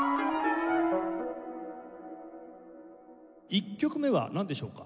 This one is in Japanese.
１曲目はなんでしょうか？